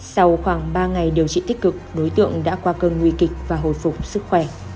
sau khoảng ba ngày điều trị tích cực đối tượng đã qua cơn nguy kịch và hồi phục sức khỏe